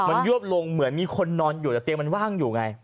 มันยวบลงเหมือนมีคนนอนอยู่แต่เตียงมันว่างอยู่ไง